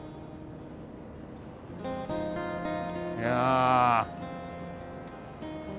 いや。